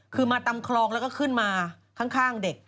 คือมาตามคลองแล้วก็ขึ้นมาข้างเด็ก